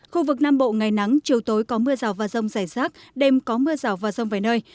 khu vực nam bộ ngày nắng chiều tối có mưa rào và rông rải rác đêm có mưa rào và rông vài nơi